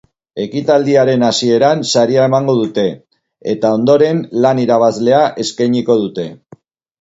Ekitaldiaren hasieran saria emango dute, eta ondoren lan irabazlea eskainiko dute.